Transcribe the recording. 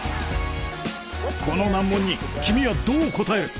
この難問に君はどう答える？